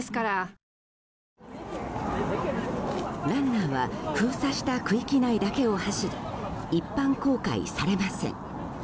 ランナーは封鎖した区域内だけを走り一般公開されません。